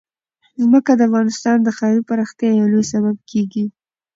ځمکه د افغانستان د ښاري پراختیا یو لوی سبب کېږي.